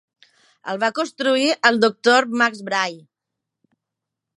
El va construir el Doctor Max Bray.